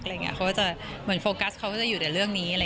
เขาก็จะเหมือนโฟกัสเขาก็จะอยู่แต่เรื่องนี้